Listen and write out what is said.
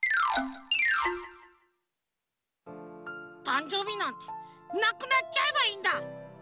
たんじょうびなんてなくなっちゃえばいいんだ！